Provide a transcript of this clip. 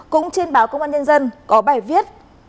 cũng trên báo công an nhân dân có bài viết